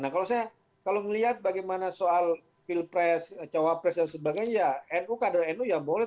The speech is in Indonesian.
nah kalau saya kalau melihat bagaimana soal pilpres cawapres dan sebagainya ya nu kader nu ya boleh